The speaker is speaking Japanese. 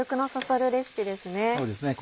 そうですね